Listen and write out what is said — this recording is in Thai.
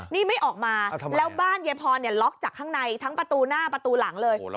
นี่ไม่ออกมาแล้วบ้านยายพรล็อกจากข้างในทั้งประตูหน้าประตูหลังเลย